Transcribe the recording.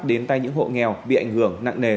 đến tay những hộ nghèo bị ảnh hưởng nặng nề